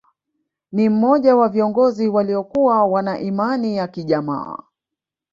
Ni mmoja wa viongozi waliokua wana Imani ya kijamaa